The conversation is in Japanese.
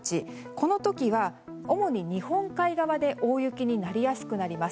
この時は、主に日本海側で大雪になりやすくなります。